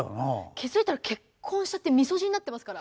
気づいたら結婚しちゃって三十路になってますから。